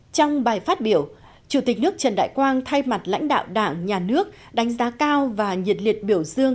trong bài phát biểu chủ tịch nước trần đại quang thay mặt lãnh đạo đảng nhà nước đánh giá cao và nhiệt liệt biểu dương